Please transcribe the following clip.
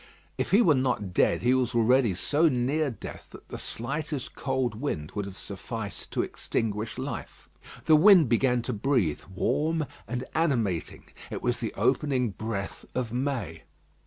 If he were not dead, he was already so near death that the slightest cold wind would have sufficed to extinguish life. The wind began to breathe, warm and animating: it was the opening breath of May.